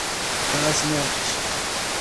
Brasnorte